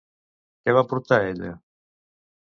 Què va portar ella?